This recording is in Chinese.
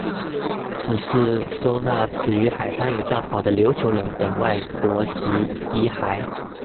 此祠收纳死于海难与战火的琉球人等外国籍遗骸。